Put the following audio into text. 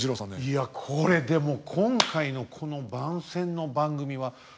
いやこれでも今回のこの番宣の番組は１００点満点だね。